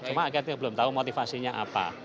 cuma akhirnya belum tahu motivasinya apa